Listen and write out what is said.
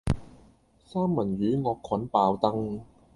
三文魚惡菌爆燈